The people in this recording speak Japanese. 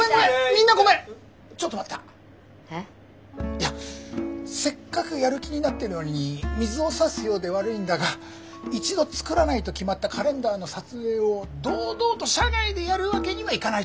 いやせっかくやる気になってるのに水をさすようで悪いんだが一度作らないと決まったカレンダーの撮影を堂々と社外でやるわけにはいかないと思うんだよ。